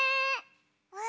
うわ！